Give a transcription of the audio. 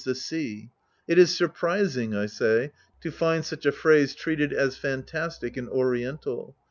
the sea — it is surprising, I say, to find such a phrase treated as fantastic and Oriental.